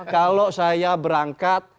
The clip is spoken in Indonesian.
kalau saya berangkat